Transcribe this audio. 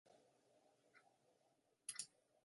Vi ankoraŭ atendos!